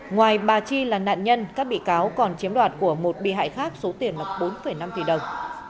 ngoài bà chi là nạn nhân các bị cáo còn chiếm đoạt của một bị hại khác số tiền là bốn năm tỷ đồng